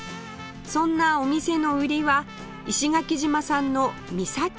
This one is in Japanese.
そんなお店の売りは石垣島産の美崎牛